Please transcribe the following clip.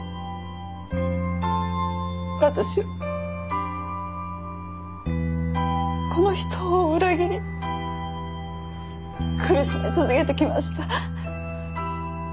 私はこの人を裏切り苦しめ続けてきました。